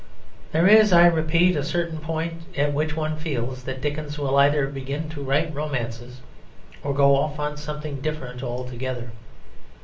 There is, I repeat, a certain point at which one feels that Dickens will either begin to write romances or go off on something different altogether.